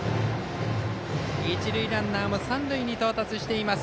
一塁ランナーも三塁に到達しています。